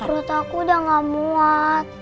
perut aku udah gak muat